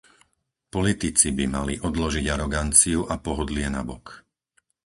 Politici by mali odložiť aroganciu a pohodlie nabok.